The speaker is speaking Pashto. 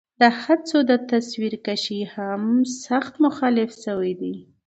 د هڅو د تصويرکشۍ هم سخت مخالفت شوے دے